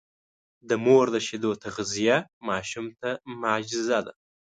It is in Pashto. د مور د شیدو تغذیه ماشوم ته معجزه ده.